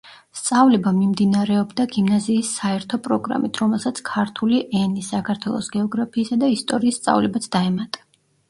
სწავლება მიმდინარეობდა გიმნაზიის საერთო პროგრამით, რომელსაც ქართული ენის, საქართველოს გეოგრაფიისა და ისტორიის სწავლებაც დაემატა.